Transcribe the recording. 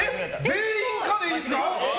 全員可でいいんですか？